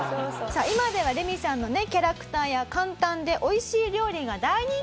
さあ今ではレミさんのねキャラクターや簡単でおいしい料理が大人気ですが